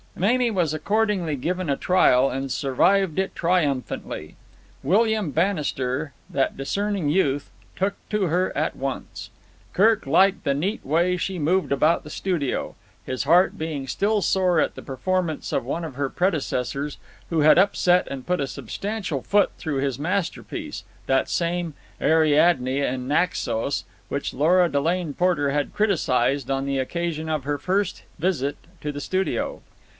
Mamie was accordingly given a trial, and survived it triumphantly. William Bannister, that discerning youth, took to her at once. Kirk liked the neat way she moved about the studio, his heart being still sore at the performance of one of her predecessors, who had upset and put a substantial foot through his masterpiece, that same "Ariadne in Naxos" which Lora Delane Porter had criticised on the occasion of her first visit to the studio.